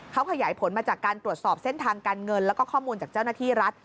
เขาขยายผลมาจากการตรวจสอบเส้นทางการเงินแล้วก็ข้อมูลจากเจ้าหน้าที่รัฐ